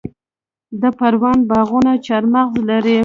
د پروان باغونه چهارمغز لري.